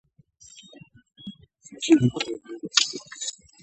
صنعتي سکتور یې کمزوری دی.